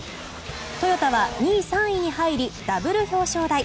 トヨタは２位、３位に入りダブル表彰台。